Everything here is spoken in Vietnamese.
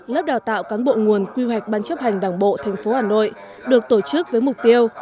lớp đào tạo cán bộ nguồn quy hoạch ban chấp hành đảng bộ tp hà nội được tổ chức với mục tiêu